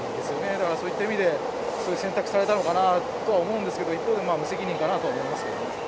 だからそういった意味で、そういう選択されたのかなとは思うんですけど、一方で無責任かなとは思いますけどね。